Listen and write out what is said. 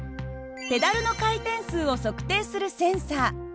ペダルの回転数を測定するセンサー。